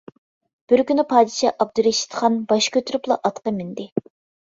بىر كۈنى پادىشاھ ئابدۇرېشىت خان باش كۆتۈرۈپلا ئاتقا مىندى.